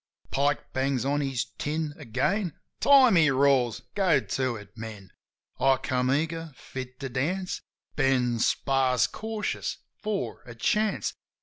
Pike bangs on his tin again. "Time !" he roars. "Get to it, men !" I come eager, fit to dance; Ben spars cautious for a chance.